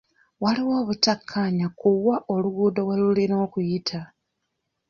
Waliwo obutakkaanya ku wa oluguudo we lulina okuyita.